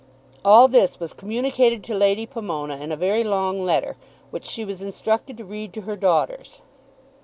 All this was communicated to Lady Pomona in a very long letter, which she was instructed to read to her daughters.